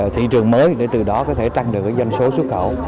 thị trường mới để từ đó có thể tăng được doanh số xuất khẩu